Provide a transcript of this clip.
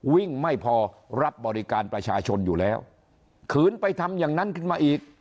ไม่พอรับบริการประชาชนอยู่แล้วขืนไปทำอย่างนั้นขึ้นมาอีก